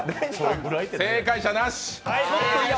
正解者なし！